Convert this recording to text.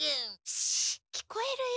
シッ聞こえるよ。